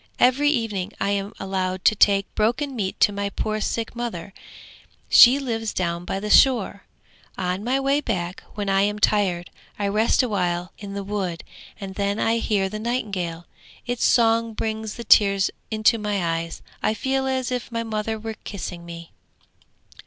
Every evening I am allowed to take broken meat to my poor sick mother: she lives down by the shore. On my way back, when I am tired, I rest awhile in the wood, and then I hear the nightingale. Its song brings the tears into my eyes; I feel as if my mother were kissing me!'